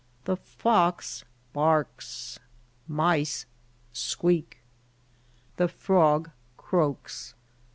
The fox barks. Mice squeak. The frog croaks.